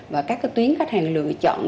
và các tuyến khách hàng lựa chọn